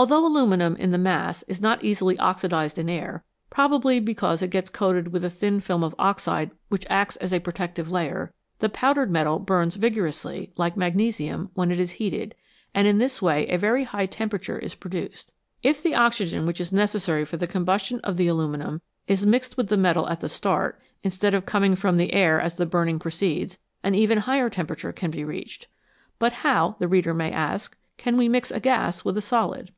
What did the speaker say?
Although aluminium in the mass is not easily oxidised in air, probably because it gets coated with a thin film of 66 METALS, COMMON AND UNCOMMON oxide which acts as a protective layer, the powdered metal burns vigorously, like magnesium, when it is heated, and in this way a very high temperature is produced. If the oxygen which is necessary for the combustion of the aluminium is mixed with the metal at the start, instead of coming from the air as the burning proceeds, an even higher temperature can be reached. But how, the reader may ask, can we mix a gas with a solid